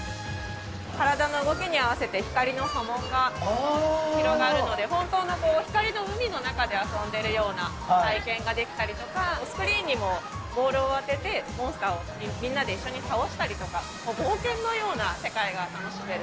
体の動きに合わせて光の波紋が広がるので、本当の光の海の中で遊んでるような体験ができたりとか、スクリーンにもボールを当ててモンスターをみんなで一緒に倒したりとか、冒険のような世界が楽しめる。